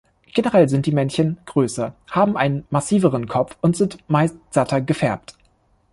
Generell sind die Männchen größer, haben einen massiveren Kopf und sind meist satter gefärbt.